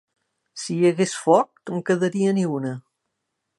Si hi hagués foc no en quedaria ni una!